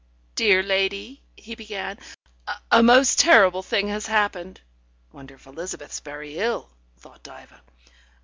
"Dear lady," he began, "a most terrible thing has happened " (Wonder if Elizabeth's very ill, thought Diva.)